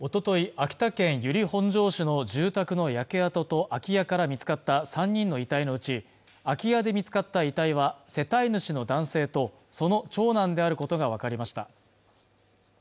秋田県由利本荘市の住宅の焼け跡と空き家から見つかった３人の遺体のうち空き家で見つかった遺体は世帯主の男性とその長男であることが分かりました